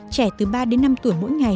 trẻ từ ba đến năm tuổi mỗi ngày